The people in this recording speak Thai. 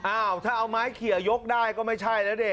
อ้าวถ้าเอาไม้เขี่ยกได้ก็ไม่ใช่แล้วดิ